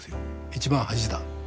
一番恥だ。